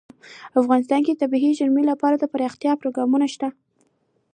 افغانستان کې د طبیعي زیرمې لپاره دپرمختیا پروګرامونه شته.